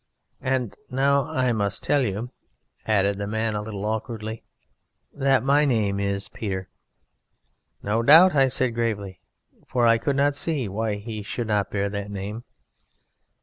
And now I must tell you," added the man a little awkwardly, "that my name is Peter." "No doubt," said I gravely, for I could not see why he should not bear that name.